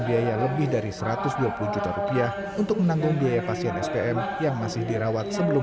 biaya lebih dari satu ratus dua puluh juta rupiah untuk menanggung biaya pasien spm yang masih dirawat sebelum